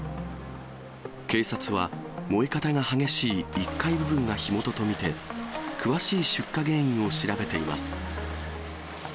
警察は、燃え方が激しい１階部分が火元と見て、詳しい出火原因を調べています。